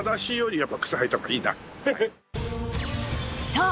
そう！